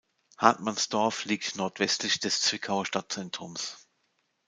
Hartmannsdorf liegt nordwestlich des Zwickauer Stadtzentrums.